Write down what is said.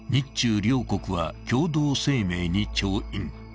日中両国は共同声明に調印。